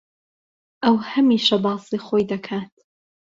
ئەو ھەمیشە باسی خۆی دەکات.